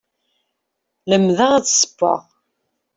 Lemdeɣ ad ssewweɣ.